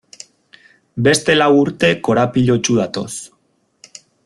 Beste lau urte korapilatsu datoz.